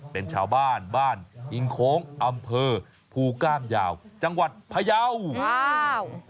เป็นชาวบ้านบ้านอิงโค้งอำเภอภูก้ามยาวจังหวัดพยาวอ้าว